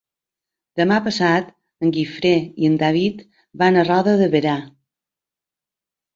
Demà passat en Guifré i en David van a Roda de Berà.